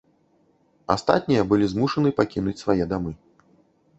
Астатнія былі змушаны пакінуць свае дамы.